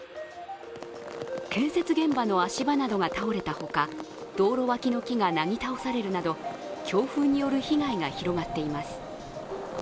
建設現場の足場などが倒れたほか道路脇の木がなぎ倒されるなど、強風による被害が広がっています。